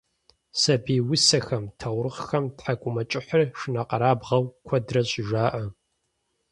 Сабий усэхэм, таурыхъхэм тхьэкIумэкIыхьыр шынэкъэрабгъэу куэдрэ щыжаIэ.